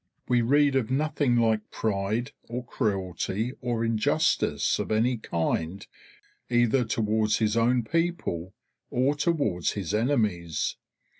We read of nothing like pride or cruelty or injustice of any kind either towards his own people or towards his enemies.